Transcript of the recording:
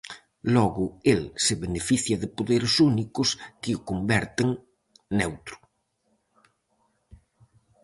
Logo el se beneficia de poderes únicos que o converten neutro.